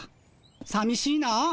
さみしいなあ。